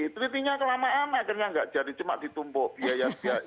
telitinya kelamaan akhirnya nggak jadi cuma ditumpuk biaya biaya